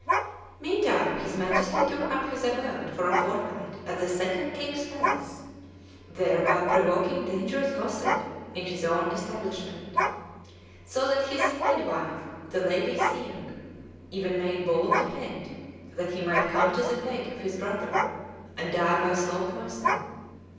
Meantime his Majesty took up his abode for a fortnight at the Second King's palace, thereby provoking dangerous gossip in his own establishment; so that his "head wife," the Lady Thieng, even made bold to hint that he might come to the fate of his brother, and die by slow poison.